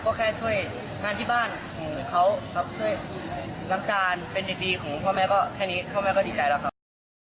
ก็แค่ช่วยงานที่บ้านของเขาครับช่วยล้างจานเป็นเด็กดีของพ่อแม่ก็แค่นี้พ่อแม่ก็ดีใจแล้วครับ